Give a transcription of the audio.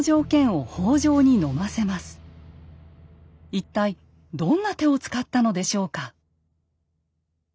一体どんな手を使ったのでしょうか？